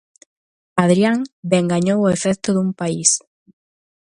Adrián Ben gañou o afecto dun país.